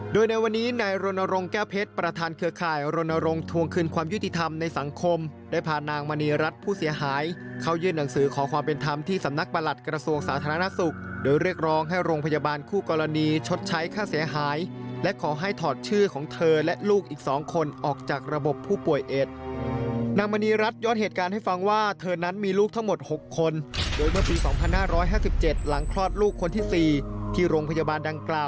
โดยในวันนี้ในโรนโรงแก้วเพชรประธานเครือข่ายโรนโรงทวงคืนความยุติธรรมในสังคมได้พานางมณีรัฐผู้เสียหายเข้ายื่นหนังสือขอความเป็นธรรมที่สำนักประหลัดกระทรวงสาธารณสุขโดยเรียกร้องให้โรงพยาบาลคู่กรณีชดใช้ค่าเสียหายและขอให้ถอดชื่อของเธอและลูกอีก๒คนออกจากระบบผู้ป่วยเอ็ด